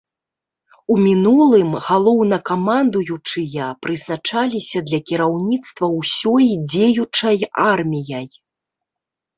У мінулым галоўнакамандуючыя прызначаліся для кіраўніцтва ўсёй дзеючай арміяй.